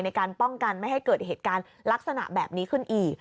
ในการป้องกันไม่ให้เกิดเหตุการณ์ลักษณะแบบนี้ขึ้นอีก